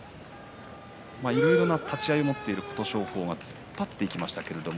いろいろな立ち合いを持っている琴勝峰突っ張っていきました。